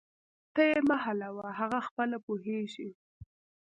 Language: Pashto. ته یې مه حلوه، هغه خپله پوهیږي